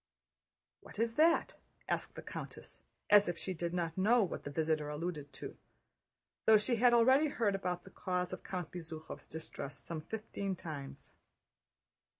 "What is that?" asked the countess as if she did not know what the visitor alluded to, though she had already heard about the cause of Count Bezúkhov's distress some fifteen times.